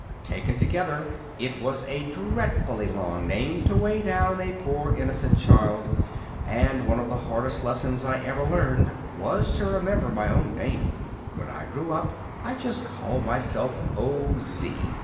Taken altogether, it was a dreadfully long name to weigh down a poor innocent child, and one of the hardest lessons I ever learned was to remember my own name. When I grew up I just called myself O. Z.